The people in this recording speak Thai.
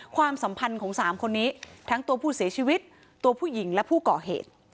ความสัมพันธ์ของสามคนนี้ทั้งตัวผู้เสียชีวิตตัวผู้หญิงและผู้ก่อเหตุ